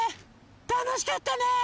たのしかったね。